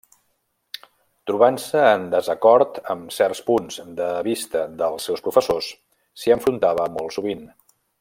Trobant-se en desacord amb certs punts de vista dels seus professors, s'hi enfrontava molt sovint.